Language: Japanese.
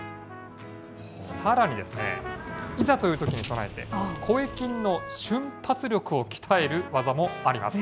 さらに、いざというときに備えて、声筋の瞬発力を鍛える技もあります。